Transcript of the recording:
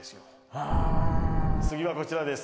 へえっ次はこちらです